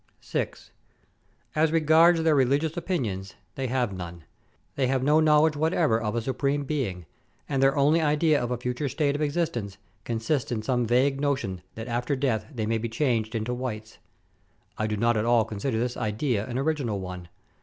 6. As regards their religious opinions, they have none ; they have no knowledge whatever of a Supreme Being ; and their only idea of a future state of existence consists in some vague notion that after death they may be changed into whites. I do not at all consider this idea an original one.